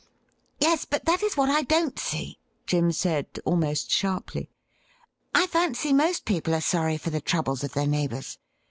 'Yes, but that is what I don't see,' Jim said, almost sharply. ' I fancy most people are sorry for the troubles of their neighbours.